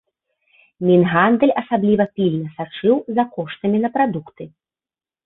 Мінгандаль асабліва пільна сачыў за коштамі на прадукты.